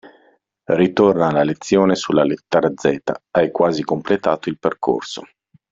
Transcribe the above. Ritorna alla lezione sulla lettera zeta, hai quasi completato il percorso.